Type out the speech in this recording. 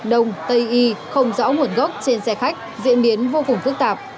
đông tây y không rõ nguồn gốc trên xe khách diễn biến vô cùng phức tạp